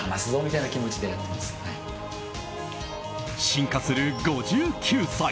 進化する５９歳。